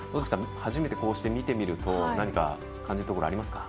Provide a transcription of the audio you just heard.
初めてこうして、見てみると何か感じるところはありますか。